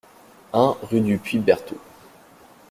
un rue du Puits Berthaud